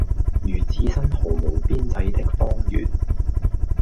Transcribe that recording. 如置身毫無邊際的荒原，